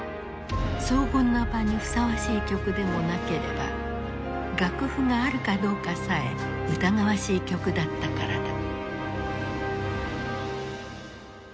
荘厳な場にふさわしい曲でもなければ楽譜があるかどうかさえ疑わしい曲だったからだ。